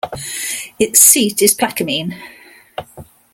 Its seat is Plaquemine.